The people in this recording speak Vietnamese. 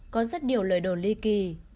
có rất nhiều lời đồn ly kỳ